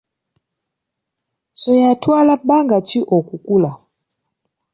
Ssoya atwala bbanga ki okukula?